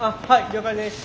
了解です。